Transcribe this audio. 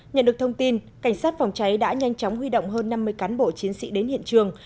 nhận được thông tin cảnh sát phòng cháy đã nhanh chóng huy động hơn năm mươi cán bộ chiến sĩ đến hiện trường